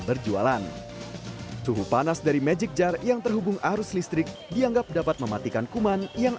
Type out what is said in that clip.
berjualan suhu panas dari magic jar yang terhubung arus listrik dianggap dapat mematikan kuman yang